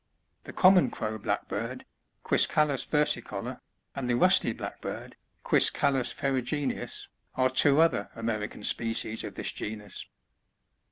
The common Crow Blackbird, — Quiscalits vei'sicofor, — and the Rusty Blackbird, — Qtiiscalus ferrugineu8,^BLre two other American species of this genus.